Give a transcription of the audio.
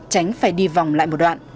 tránh phải đi vòng lại một đoạn